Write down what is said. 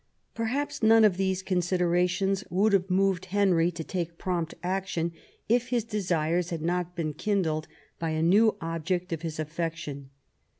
Perhaps none of these considerations would have moved Henry to take prompt action if his desires had not been kindled by a new object of his affection.